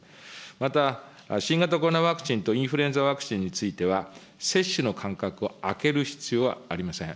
また、新型コロナワクチンとインフルエンザワクチンについては、接種の間隔を空ける必要はありません。